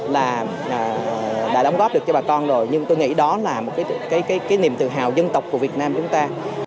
là đã đóng góp được cho bà con rồi nhưng tôi nghĩ đó là một cái niềm tự hào dân tộc của việt nam chúng ta